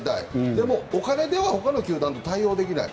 でも、お金ではほかの球団で対応できない。